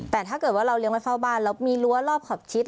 แต่ถ้าเกิดว่าเราเลี้ยไว้เฝ้าบ้านเรามีรั้วรอบขอบชิด